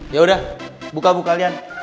yaudah buka buka kalian